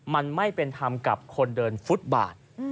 มันไม่เป็นธรรมกับคนเดินฟุตบาท